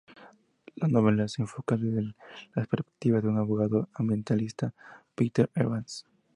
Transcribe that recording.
La novela se enfoca desde la perspectiva de un abogado ambientalista, "Peter Evans".